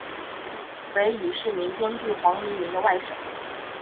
为已逝名编剧黄黎明的外甥。